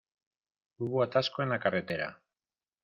Hubo atasco en la carretera.